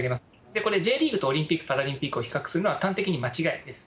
これ、Ｊリーグとオリンピック・パラリンピックを比較するのは、端的に間違いです。